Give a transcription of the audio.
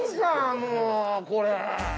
もうこれ。